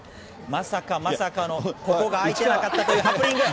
まさかまさかの、ここが開いてなかったというハプニング。